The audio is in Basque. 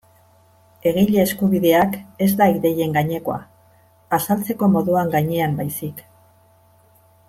Egile-eskubideak ez da ideien gainekoa, azaltzeko moduan gainean baizik.